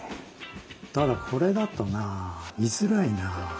ただこれだとなあ見づらいなあ。